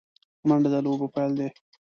منډه د لوبو پیل دی